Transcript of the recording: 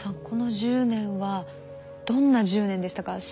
この１０年はどんな１０年でしたか？